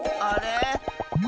あれ？